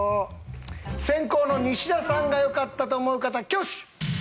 先攻の西田さんが良かったと思う方挙手！